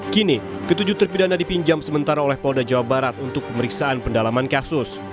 kini ketujuh terpidana dipinjam sementara oleh polda jawa barat untuk pemeriksaan pendalaman kasus